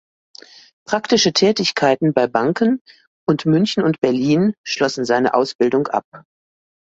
Praktische Tätigkeiten bei Banken und München und Berlin schlossen seine Ausbildung ab.